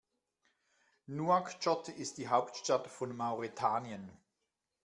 Nouakchott ist die Hauptstadt von Mauretanien.